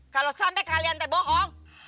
kalau sampai kalian teh bohong